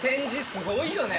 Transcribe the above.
すごいね。